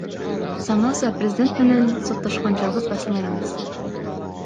Заноза президент менен соттошкон жалгыз басылма эмес.